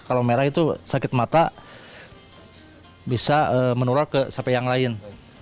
kalau merah itu sakit mata bisa menular ke sapi yang lain